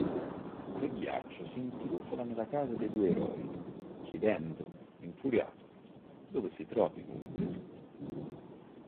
Re Ghiaccio s'intrufola nella casa dei due eroi, chiedendo, infuriato, dove si trovi Gunther.